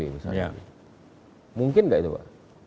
oke bisa saja mungkin nggak itu pak